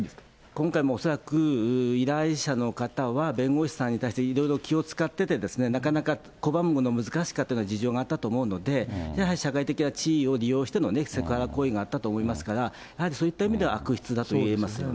今回も恐らく依頼者の方は、弁護士さんに対していろいろ気を遣っててですね、なかなか拒むのも難しかったような事情があったと思うので、やはり社会的な地位を利用してのセクハラ行為があったと思いますから、やはりそういった意味では悪質だといえますよね。